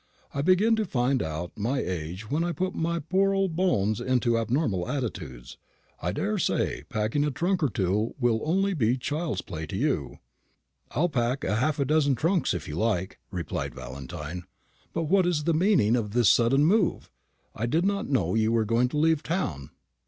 "I begin to find out my age when I put my poor old bones into abnormal attitudes. I daresay packing a trunk or two will be only child's play to you." "I'll pack half a dozen trunks if you like," replied Valentine. "But what is the meaning of this sudden move? I did not know you were going to leave town."